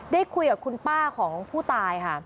ได้คุยกับคุณป้าของผู้ตายค่ะ